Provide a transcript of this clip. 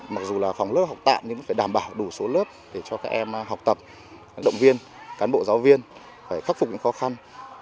mặc dù là phòng lớp học tạm nhưng cũng phải đảm bảo đủ số lớp để cho các em học tập động viên cán bộ giáo viên phải khắc phục những khó khăn